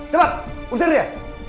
cepat usir dia